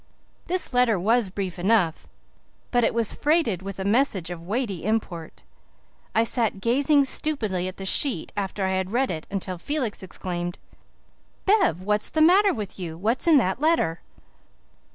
This letter was brief enough, but it was freighted with a message of weighty import. I sat gazing stupidly at the sheet after I had read it until Felix exclaimed, "Bev, what's the matter with you? What's in that letter?"